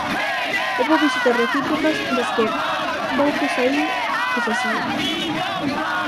Houbo visitas recíprocas das que pouco saíu, que se saiba.